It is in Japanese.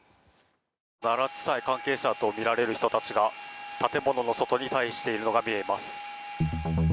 奈良地裁関係者とみられる人たちが建物の外に退避しているのが見えます。